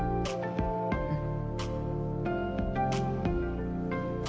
うん。